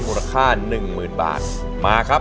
มูลค่า๑หมื่นบาทมาครับ